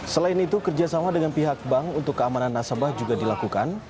selain itu kerjasama dengan pihak bank untuk keamanan nasabah juga dilakukan